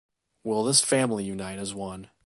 Will this family unite as one?